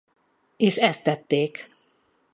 És ezt tették.